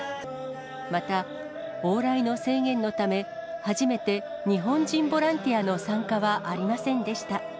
また、往来の制限のため、初めて日本人ボランティアの参加はありませんでした。